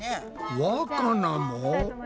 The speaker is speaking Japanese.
わかなも。